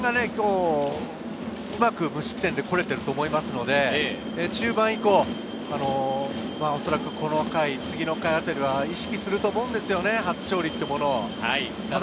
うまく無失点で来られていますので、中盤以降、おそらくこの回、次の回あたりは意識すると思うんですよね、初勝利を。